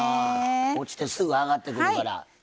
落ちてすぐ上がってくるから。